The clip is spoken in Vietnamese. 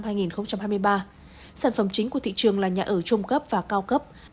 sản phẩm chính của thị trường là nhà ở trung cấp và cao cấp